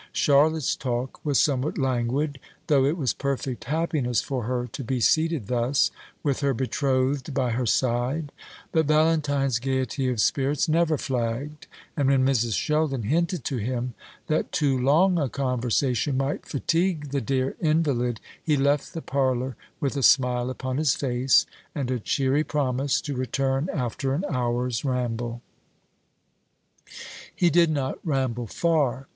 Charlotte's talk was somewhat languid, though it was perfect happiness for her to be seated thus, with her betrothed by her side; but Valentine's gaiety of spirits never flagged; and when Mrs. Sheldon hinted to him that too long a conversation might fatigue the dear invalid, he left the parlour with a smile upon his face, and a cheery promise to return after an hour's ramble. He did not ramble far.